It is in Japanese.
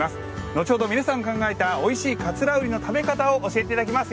後ほど皆さんが考えたおいしい桂うりの食べ方を教えていただきます。